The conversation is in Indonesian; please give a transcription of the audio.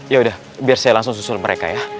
yaudah biar saya langsung susun mereka ya